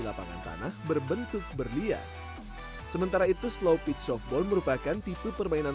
lapangan tanah berbentuk berliat sementara itu slow pitch softball merupakan tipe permainan